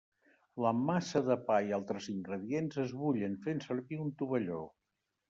La massa de pa i altres ingredients es bullen fent servir un tovalló.